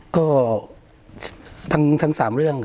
ก็ทั้ง๓เรื่อง